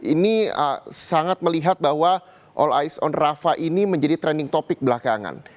ini sangat melihat bahwa all ice on rafa ini menjadi trending topic belakangan